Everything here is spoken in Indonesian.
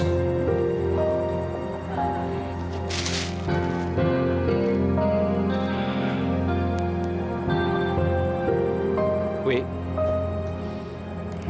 aku juga kerja dulu